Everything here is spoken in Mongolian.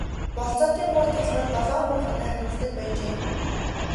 Болзоотын бор толгойд долоон бор хонио хариулдаг байжээ.